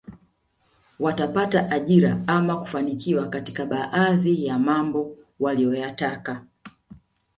Watapata ajira ama kufanikiwa katika baadhi ya mambo waliyoyataka